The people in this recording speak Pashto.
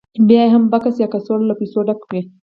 بیا یې هم بکس یا کڅوړه له پیسو ډکه وي